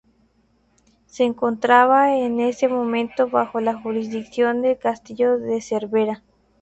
Se encontraba en ese momento bajo la jurisdicción del castillo de Cervera.